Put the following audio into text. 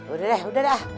udah deh udah deh